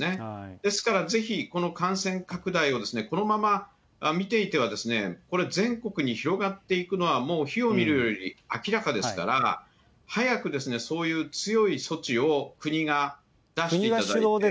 ですから、ぜひこの感染拡大を、このまま見ていては、これ、全国に広がっていくのはもう、火を見るより明らかですから、早く、そういう強い措置を国が出していただいて。